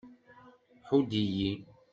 Ḥudd-iyi!